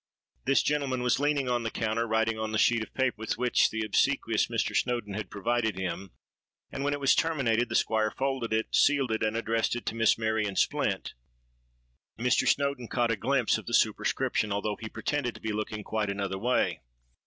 This gentleman was leaning on the counter, writing on the sheet of paper with which the obsequious Mr. Snowdon had provided him; and when it was terminated, the Squire folded it, sealed it, and addressed it to Miss Marion Splint. Mr. Snowdon caught a glimpse of the superscription, although he pretended to be looking quite another way.